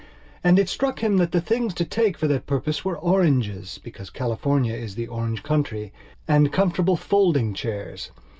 And it struck him that the things to take for that purpose were orangesbecause California is the orange countryand comfortable folding chairs.